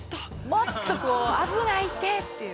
もっとこう「危ないって！」っていう。